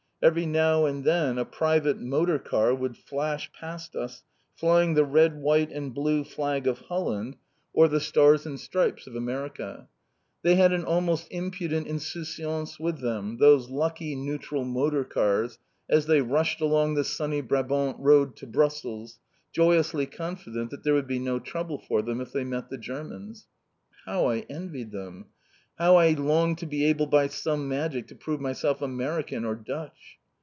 Every now and then a private motor car would flash past us, flying the red, white and blue flag of Holland, or the Stars and Stripes of America. They had an almost impudent insouciance with them, those lucky neutral motor cars, as they rushed along the sunny Brabant road to Brussels, joyously confident that there would be no trouble for them if they met the Germans! How I envied them! How I longed to be able by some magic to prove myself American or Dutch!